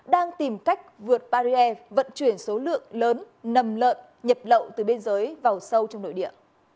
đang tìm cách vượt barrier vận chuyển số lượng lớn nầm lợn nhập lậu từ biên giới vào sâu trong nội địa